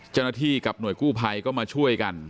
จณที่กับหน่วยกู้พัยก็มาช่วยกัน